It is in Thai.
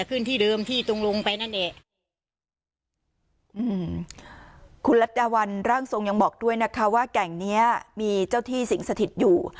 อืมคุณรัฐยาวันร่างทรงยังบอกด้วยนะคะว่าแก่งนี้มีเจ้าที่สิงสถิตฯอยู่